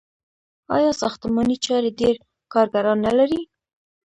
آیا ساختماني چارې ډیر کارګران نلري؟